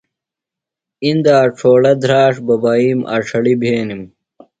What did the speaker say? اندہ اڇھوڑہ، دھراڇ، ببائیم، آݜڑیۡ بھینِم۔